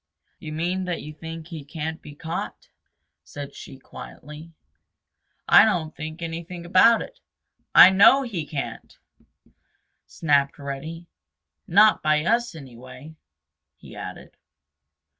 "You mean that you think he can't be caught?" said she quietly. "I don't think anything about it; I know he can't!" snapped Reddy. "Not by us, anyway," he added.